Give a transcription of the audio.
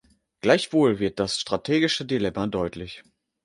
Gleichwohl wird das strategische Dilemma deutlich.